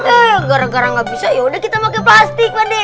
eh gara gara gak bisa yaudah kita pakai plastik pakde